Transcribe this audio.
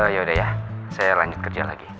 yaudah ya saya lanjut kerja lagi